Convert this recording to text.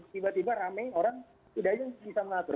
tiba tiba rame orang tidak yang bisa mengatur